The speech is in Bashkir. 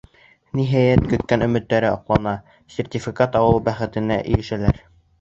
Ниһайәт, көткән өмөттәре аҡлана, сертификат алыу бәхетенә ирешәләр.